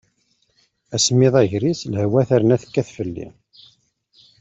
Asemmiḍ, agris, lehwa terna tekkat fell-i.